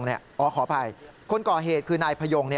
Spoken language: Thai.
ขออภัยคนก่อเหตุคือนายพยง